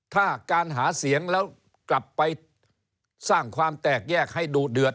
ถ้าการหาเสียงแล้วกลับไปสร้างความแตกแยกให้ดูเดือด